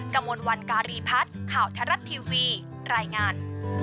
กระมวลวันการีพัฒน์ข่าวไทยรัฐทีวีรายงาน